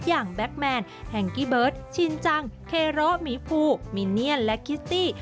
แบ็คแมนแห่งกี้เบิร์ตชินจังเคโรหมีภูมิเนียนและคิสตี้